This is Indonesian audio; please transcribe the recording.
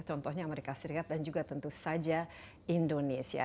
contohnya amerika serikat dan juga tentu saja indonesia